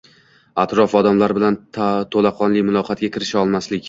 atrof, odamlar bilan tulaqonli muloqotga kirisha olmaslik